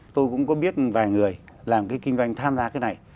tôi cũng có biết vài người làm cái kinh doanh tham gia cái này